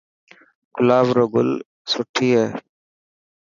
گلاب روگل سني هي.